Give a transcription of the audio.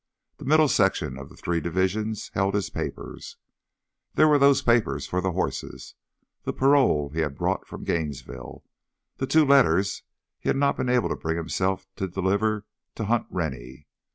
The middle section of the three divisions held his papers. There were those for the horses, the parole he had brought from Gainesville, the two letters he had not been able to bring himself to deliver to Hunt Rennie.